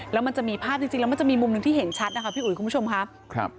แล้วมันจะมีภาพจริงแล้วมันจะมีมุมหนึ่งที่เห็นชัดนะคะพี่อุ๋ยคุณผู้ชมครับ